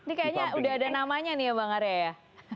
ini kayaknya udah ada namanya nih ya bang arya ya